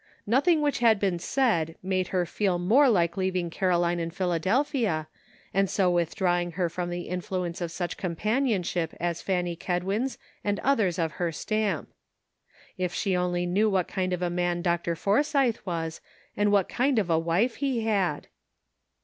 Nothing which had been said made her feel more like leaving Caroline in Philadelphia, and so withdrawing her from the influence of such companionship as Fanny Kedwin's and others of her stamp. If she only knew what kind of a man Dr. Forsythe was, and what kind of a wife he had